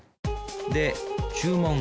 で注文。